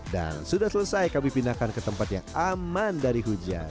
dan sudah selesai kami pindah ke tempat yang aman dari hujan